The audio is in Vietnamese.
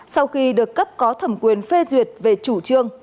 sau khi được cấp có thẩm quyền phê duyệt về chủ trương